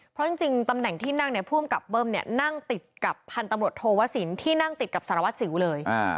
เพราะจริงตำแหน่งที่นั่งผู้มันกลับเบิ้มนั่งติดกับพันธวสินที่นั่งติดกับสารวัดสิวเลย